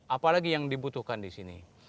apalagi yang dibutuhkan di sini